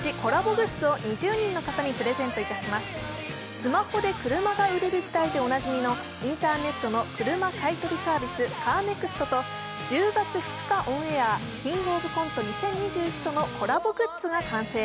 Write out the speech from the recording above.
「スマホで車が売れる時代」でおなじみのインターネットの車買い取りサービス、カーネクストと１０月２日オンエア「キングオブコント２０２１」とのコラボグッズが完成！